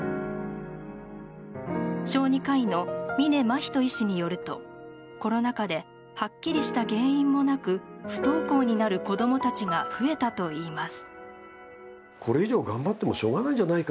小児科医の峯眞人医師によるとコロナ禍ではっきりした原因もなく不登校になる子供たちが増えたといいます。